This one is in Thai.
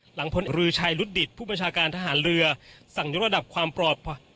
พลเรือชัยรุดดิตผู้บัญชาการทหารเรือสั่งยกระดับความปลอดภัย